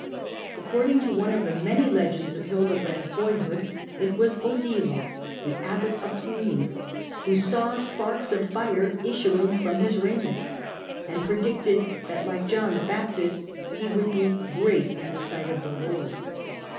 According to one of the many legends of Hildebrand's boyhood, it was Odilo, the abbot of Clugny, who saw sparks of fire issuing from his raiment, and predicted that, like John the Baptist, he would be ' great in the ' sight of the Lord.'